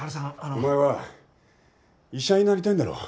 お前は医者になりたいんだろう？